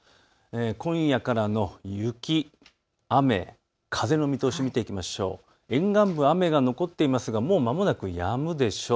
今夜からの雪、雨、風の見通しを見ていきましょう。